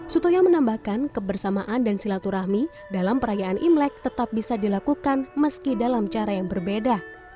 sutoyo menambahkan kebersamaan dan silaturahmi dalam perayaan imlek tetap bisa dilakukan meski dalam cara yang berbeda